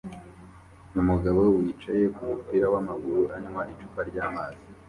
Umugabo wicaye kumupira wamaguru anywa icupa ryamazi